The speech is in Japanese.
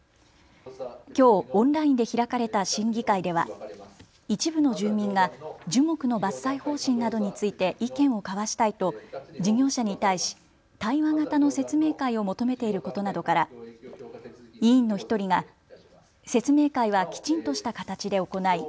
きょうオンラインで開かれた審議会では一部の住民が樹木の伐採方針などについて意見を交わしたいと事業者に対し対話型の説明会を求めていることなどから委員の１人が説明会はきちんとした形で行い